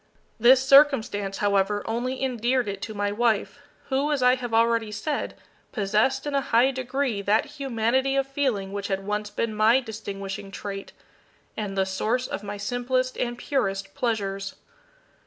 This circumstance, however, only endeared it to my wife, who, as I have already said, possessed in a high degree that humanity of feeling which had once been my distinguishing trait, and the source of my simplest and purest pleasures.